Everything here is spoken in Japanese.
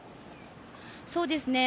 そうですね。